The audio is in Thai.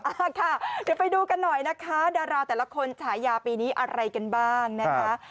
อ่าค่ะเดี๋ยวไปดูกันหน่อยนะคะดาราแต่ละคนฉายาปีนี้อะไรกันบ้างนะคะ